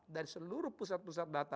dari seluruh pusat pusat data